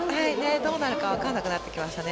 どうなるか分からなくなってきましたね。